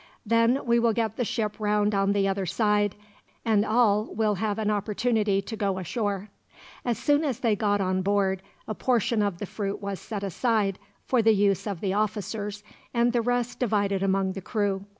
Then we will get the ship round on the other side; and all will have an opportunity to go ashore." As soon as they got on board, a portion of the fruit was set aside, for the use of the officers, and the rest divided among the crew.